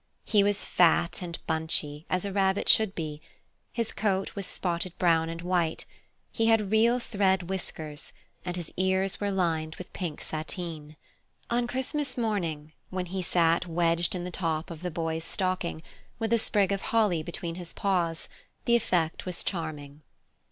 He was fat and bunchy, as a rabbit should be; his coat was spotted brown and white, he had real thread whiskers, and his ears were lined with pink sateen. On Christmas morning, when he sat wedged in the top of the Boy's stocking, with a sprig of holly between his paws, the effect was charming.